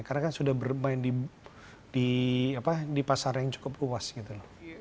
karena kan sudah bermain di pasar yang cukup luas gitu loh